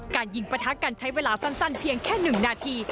ยิงประทะกันใช้เวลาสั้นเพียงแค่๑นาที